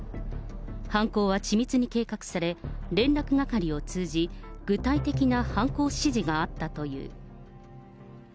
犯行はち密に計画され、連絡係を通じ、具体的な犯行指示があったという。